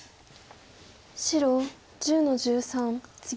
白１０の十三ツギ。